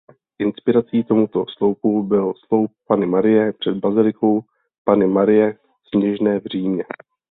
Inspirací tomuto sloupu byl sloup Panny Marie před Bazilikou Panny Marie Sněžné v Římě.